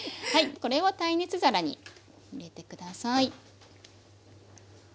これを耐熱皿に入れて下さい。